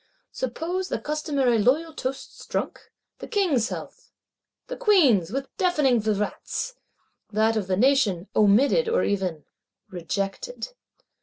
Suppose the customary loyal toasts drunk; the King's health, the Queen's with deafening vivats;—that of the Nation "omitted," or even "rejected."